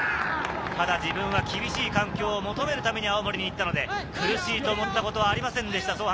ただ自分は厳しい環境を求めるために青森に行ったので、苦しいと思ったことはありませんでした。